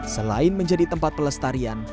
selain menjadi tempat pelestarian